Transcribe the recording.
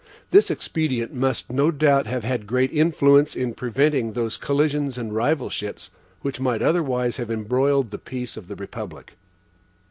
This expedient must, no doubt, have had great influence in preventing those collisions and rivalships which might otherwise have embroiled the peace of the republic.